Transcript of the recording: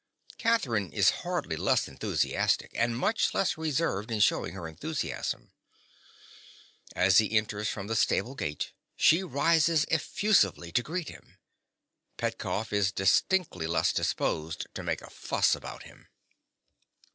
Catherine is hardly less enthusiastic, and much less reserved in shewing her enthusiasm. As he enters from the stable gate, she rises effusively to greet him. Petkoff is distinctly less disposed to make a fuss about him.